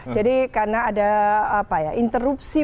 jadi karena ada apa ya interupsi